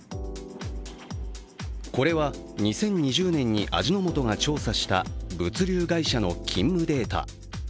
これは２０２０年に味の素が調査した物流会社の勤務データ。